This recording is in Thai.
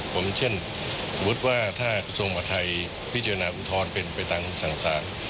ผมเช่นสมมุติว่าถ้ากระทรวงมหาทัยพิจารณาอุทธรณ์เป็นไปตามคำสั่งสาร